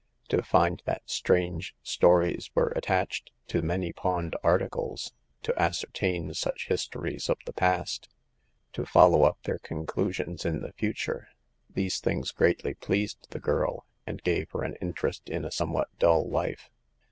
To find that strange stories were attached to many pawned articles ; to ascertain such his tories of the past ; to follow up their conclusions in the future — ^these things greatly pleased the girl, and gave her an interest in a somewhat dull life.